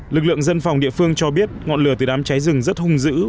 lực lượng dân phòng địa phương cho biết ngọn lửa từ đám cháy rừng rất hung dữ